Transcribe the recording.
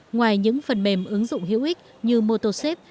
ngoài những phần mềm ứng dụng hữu ích như motosep